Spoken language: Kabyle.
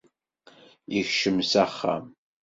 Ikcem s axxam.